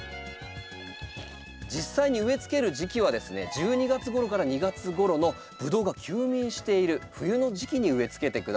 実際に植え付ける時期はですね１２月ごろから２月ごろのブドウが休眠している冬の時期に植え付けてください。